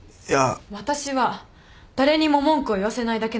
私は誰にも文句を言わせないだけの価値が欲しい。